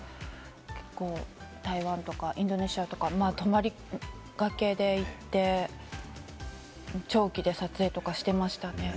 結構、台湾とかインドネシアとか、泊りがけで行って、長期で撮影とかしてましたね。